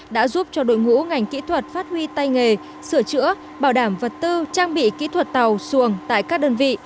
đã giúp cho đội ngũ ngành kỹ thuật phát huy tay nghề sửa chữa bảo đảm vật tư trang bị kỹ thuật tàu xuồng tại các đơn vị